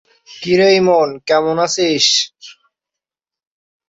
জ্বালানী তেলে বিস্ফোরণ ঘটছে, বৃহত্তর রাষ্ট্র গুলি চিন্তিত।